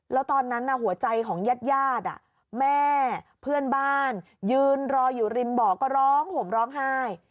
แล้วตอนนั้นหัวใจของญาติแม่เพื่อนบ้านยืนรออยู่ริมบ่อก็ร้องห่มร้องไห้